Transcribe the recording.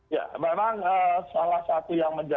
ya memang salah satu yang menjelaskan